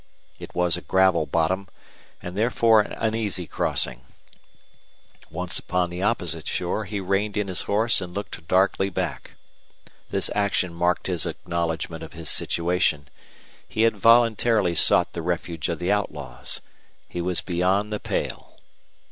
It was a gravel bottom, and therefore an easy crossing. Once upon the opposite shore he reined in his horse and looked darkly back. This action marked his acknowledgment of his situation: he had voluntarily sought the refuge of the outlaws; he was beyond the pale.